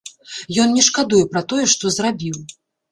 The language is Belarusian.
Ён не шкадуе пра тое, што зрабіў.